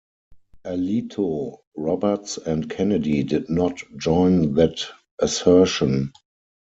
Alito, Roberts, and Kennedy did not join that assertion.